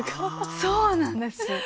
そうなんですよ。